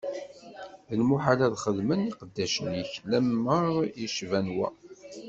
D lmuḥal ad xedmen iqeddacen-ik lameṛ yecban wa!